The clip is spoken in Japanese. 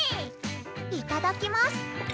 いただきます！